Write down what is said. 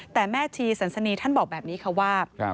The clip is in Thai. แต่แม่ชีสันสนีท่านบอกแบบนี้ค่ะว่า